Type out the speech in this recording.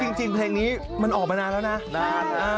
คือจริงเพลงนี้มันออกมานานแล้วนะ